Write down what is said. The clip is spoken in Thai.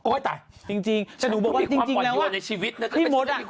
โอ๊ยตายจริงแต่หนูบอกว่าจริงแล้วว่าพี่มดอ่ะ